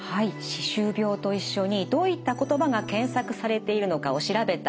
歯周病と一緒にどういった言葉が検索されているのかを調べた図になります。